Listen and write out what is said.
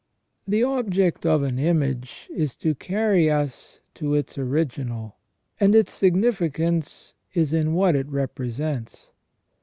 * The object of an image is to carry us to its original, and its significance is in what it represents.